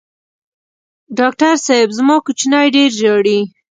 ډاکټر صېب زما کوچینی ډېر ژاړي